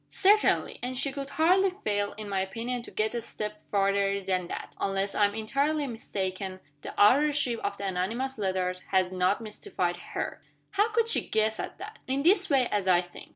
"Certainly! And she could hardly fail, in my opinion, to get a step farther than that. Unless I am entirely mistaken, the authorship of the anonymous letters has not mystified her." "How could she guess at that?" "In this way, as I think.